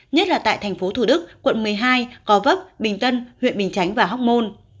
nhất là tại tp hcm quận một mươi hai co vấp bình tân huyện bình chánh và hóc môn